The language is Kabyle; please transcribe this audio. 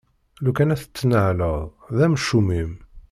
Lukan ad t-tennaleḍ, d amcum-im!